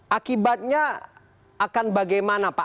akibatnya akan bagaimana pak